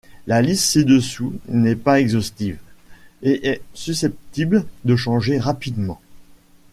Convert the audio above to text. La liste ci-dessous n'est pas exhaustive, et est susceptible de changer rapidement.